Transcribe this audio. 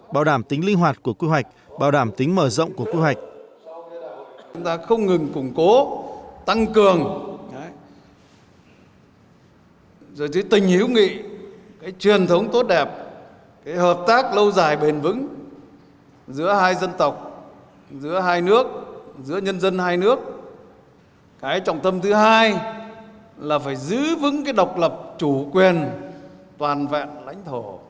bảo đảm tính linh hoạt của quy hoạch bảo đảm tính mở rộng của quy hoạch